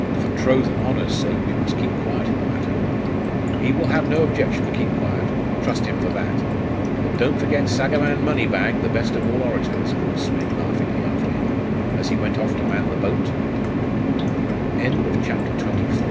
For troth and honour's sake, he must keep quiet in the matter.' 'He will have no objection to keep quiet trust him for that! But don't forget Sagaman Moneybag, the best of all orators,' called Smid laughingly after him, as he went